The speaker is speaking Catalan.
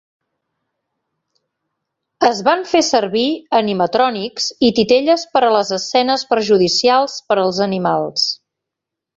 Es van fer servir animatrònics i titelles per les escenes perjudicials per als animals.